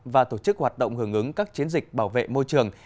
và tổ chức hoạt động hưởng ứng các chiến dịch bảo vệ môi trường